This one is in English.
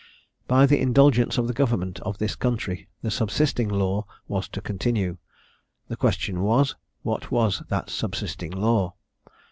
By the indulgence of the government of this country, the subsisting law was to continue; the question was, What was that subsisting law?